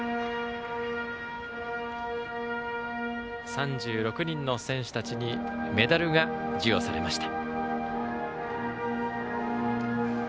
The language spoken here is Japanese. ３６人の選手たちにメダルが授与されました。